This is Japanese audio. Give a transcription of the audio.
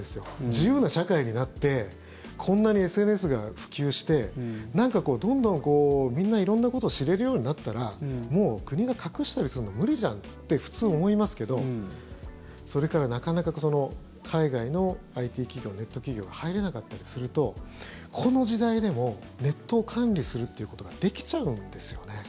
自由な社会になってこんなにＳＮＳが普及してどんどん、みんな色んなことを知れるようになったらもう国が隠したりするの無理じゃんって普通、思いますけどそれから、なかなか海外のＩＴ企業、ネット企業が入れなかったりするとこの時代でもネットを管理するっていうことができちゃうんですよね。